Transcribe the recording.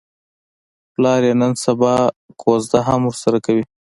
پلار یې نن سبا کوزده هم ورسره کوي.